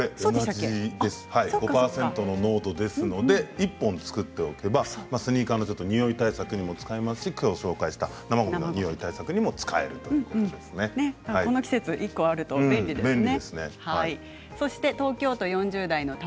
５％の濃度で１本作っておけばスニーカーのニオイ対策にも使えますしきょうご紹介した生ごみのこの季節１本あると便利ですね。